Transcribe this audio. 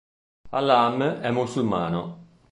Alam è musulmano.